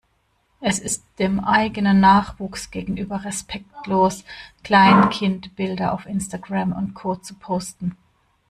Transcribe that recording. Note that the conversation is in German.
Es ist dem eigenen Nachwuchs gegenüber respektlos, Kleinkindbilder auf Instagram und Co. zu posten.